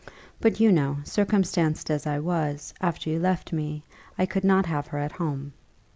But you know, circumstanced as I was, after you left me, I could not have her at home."